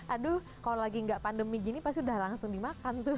aduh kalau lagi nggak pandemi gini pasti udah langsung dimakan tuh